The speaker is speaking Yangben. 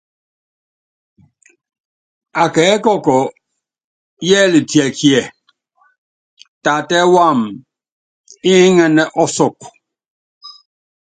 Akɛkɔkɔ, yɛ́litiɛkíe, tatɛ́ wam, iŋɛ́nɛ́ ɔsɔkɔ.